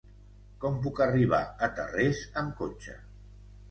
Com puc arribar a Tarrés amb cotxe?